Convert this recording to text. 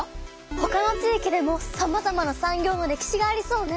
ほかの地域でもさまざまな産業の歴史がありそうね。